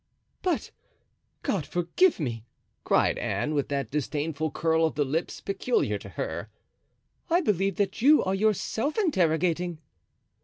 "But, God forgive me!" cried Anne, with that disdainful curl of the lips peculiar to her, "I believe that you are yourself interrogating."